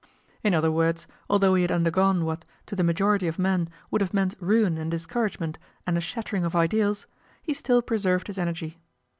In other words, although he had undergone what, to the majority of men, would have meant ruin and discouragement and a shattering of ideals, he still preserved his energy.